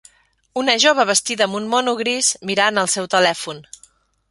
Una jove vestida amb un mono gris mirant el seu telèfon.